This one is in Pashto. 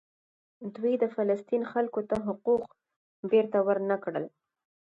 دوی د فلسطین خلکو ته حقوق بیرته ورنکړل.